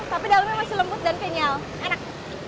tapi dalamnya masih lembut dan kenyal enak